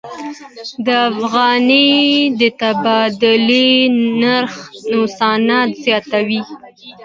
د افغانۍ د تبادلې نرخ نوسانات زیاتوي.